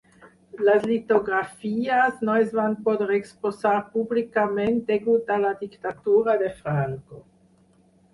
Les litografies no es van poder exposar públicament degut a la dictadura de Franco.